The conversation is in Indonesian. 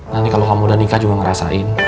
nah ini kalo kamu udah nikah juga ngerasain